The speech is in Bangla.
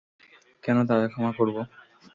কেন তাকে ক্ষমা করবো?